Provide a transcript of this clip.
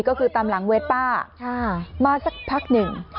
ก็คือตามหลังเวสป้ามาสักพักหนึ่ง